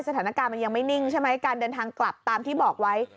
สถานการณ์มันยังไม่นิ่งใช่ไหมการเดินทางกลับตามที่บอกไว้